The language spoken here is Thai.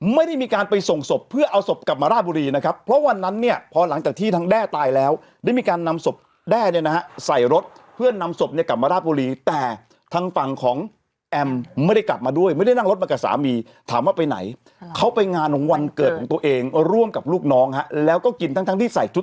ไม่ได้มีการไปส่งศพเพื่อเอาศพกลับมาราบุรีนะครับเพราะวันนั้นเนี่ยพอหลังจากที่ทางแด้ตายแล้วได้มีการนำศพแด้เนี่ยนะฮะใส่รถเพื่อนำศพเนี่ยกลับมาราบุรีแต่ทางฝั่งของแอมไม่ได้กลับมาด้วยไม่ได้นั่งรถมากับสามีถามว่าไปไหนเขาไปงานของวันเกิดของตัวเองร่วมกับลูกน้องฮะแล้วก็กินทั้งที่ใส่ชุด